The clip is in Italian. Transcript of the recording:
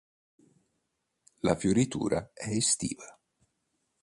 La fioritura è estiva.